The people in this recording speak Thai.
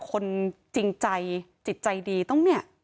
คนจริงใจจิตใจดีต้องเนี่ย